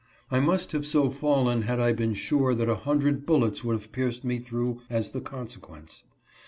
I must have so fallen had I been sure that a hundred bullets would have pierced me through as the consequence.